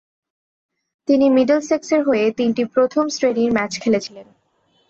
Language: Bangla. তিনি মিডলসেক্সের হয়ে তিনটি প্রথম শ্রেণির ম্যাচ খেলেছিলেন।